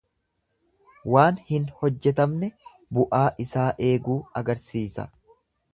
Waan hin hojjetamne bu'aa isaa eeguu agarsiisa.